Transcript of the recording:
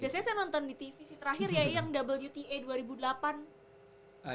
biasanya saya nonton di tv sih terakhir ya yang wta dua ribu delapan